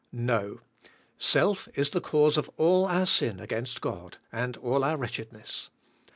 No. Self is the cause of all our sin against God, and all our wretch edness.